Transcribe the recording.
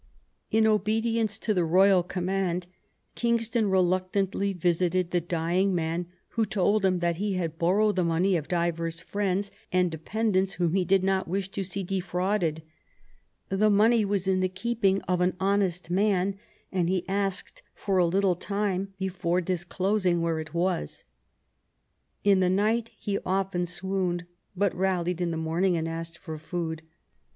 In obedience to the royal command Kingston reluctantly visited the dying man, who told him that he had borrowed the money of divers friends and de pendants whom he did not wish to see defrauded ; the money was in the keeping of an honest man, and he asked for a little time before disclosing where it was. In the night he often swooned, but rallied in the morning and asked for food.